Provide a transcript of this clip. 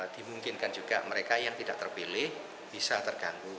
dimungkinkan juga mereka yang tidak terpilih bisa terganggu